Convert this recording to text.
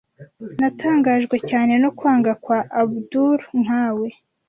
Natangajwe cyane no kwanga kwa Abudul nkawe.